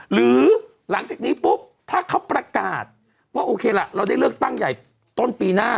หรือหลังจากนี้ปุ๊บถ้าเขาประกาศว่าโอเคล่ะเราได้เลือกตั้งใหญ่ต้นปีหน้า